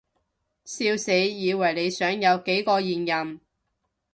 笑死，以為你想有幾個現任